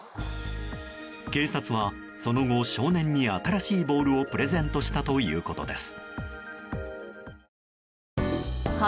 警察はその後、少年に新しいボールをプレゼントしたということです。